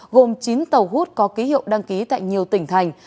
gồm chín tàu hút có ký hiệu đăng ký tại nhiều tỉnh thành